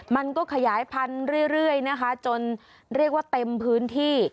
มันก็ขยายพันธุ์เรื่อยนะคะจนเรียกว่าเต็มพื้นที่